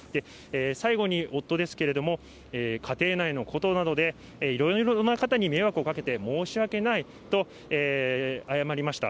最後に、夫ですけれども、家庭内のことなので、いろいろな方に迷惑をかけて申し訳ないと謝りました。